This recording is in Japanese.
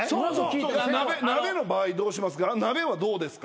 鍋の場合どうしますか？